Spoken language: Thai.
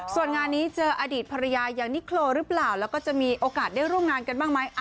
ส่วนงานนี้เจออดีตภรรยาอย่างนิโครหรือเปล่าแล้วก็จะมีโอกาสได้ร่วมงานกันบ้างไหม